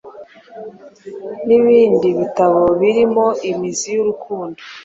n’ibindi bitabo birimo Imizi y’urukundo